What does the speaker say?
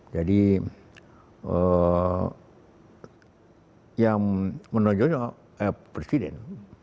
jadi yang menonjolnya presiden